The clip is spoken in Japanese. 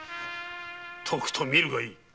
とくと見るがいい。